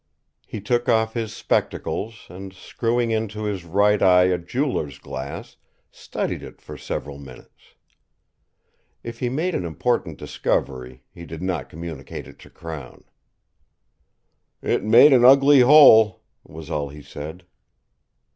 He took off his spectacles and, screwing into his right eye a jeweller's glass, studied it for several minutes. If he made an important discovery, he did not communicate it to Crown. "It made an ugly hole," was all he said.